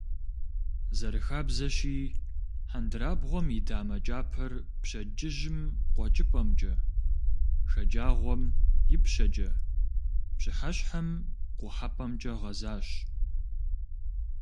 Зэрыхабзэщи, хьэндырабгъуэм и дамэ кӀапэр пщэдджыжьым къуэкӀыпӀэмкӀэ, шэджагъуэм — ипщэкӀэ, пщыхьэщхьэм — къухьэпӀэмкӀэ гъэзащ.